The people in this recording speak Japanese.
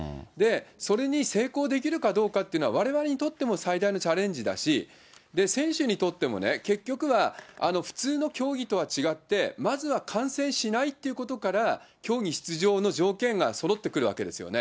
それに成功できるかどうかというのはわれわれにとっても最大のチャレンジだし、選手にとっても、結局は普通の競技とは違って、まずは感染しないということから、競技出場の条件がそろってくるわけですよね。